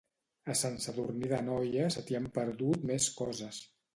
A Sant Sadurní d'Anoia se t'hi han perdut més coses